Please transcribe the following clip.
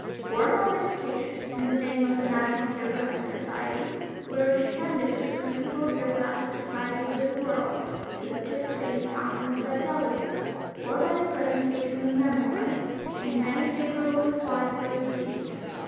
99 Formal invitations, in the name of the National Geographic Society, were extended to the principal geographic societies of the world to ^participate in the Conference by delegates, or by the j)resentation of memoirs, and many favorable replies were received.